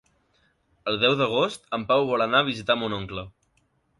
El deu d'agost en Pau vol anar a visitar mon oncle.